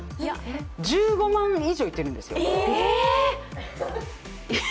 １５万以上いってるんですよ。